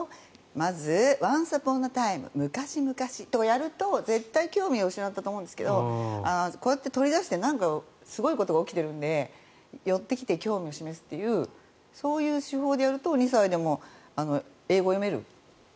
まずＯｎｃｅｕｐｏｎａｔｉｍｅ，昔々ってやると絶対興味を失ったと思うんですけどこうやって取り出して何かすごいことが起きているので寄ってきて興味を示すというそういう手法でやると２歳でも英語が読める。